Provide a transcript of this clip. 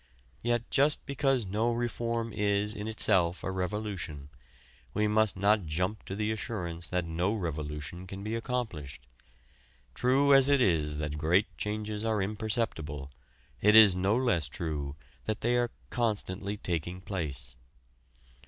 Yet just because no reform is in itself a revolution, we must not jump to the assurance that no revolution can be accomplished. True as it is that great changes are imperceptible, it is no less true that they are constantly taking place.